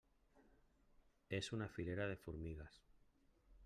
És una filera de formigues.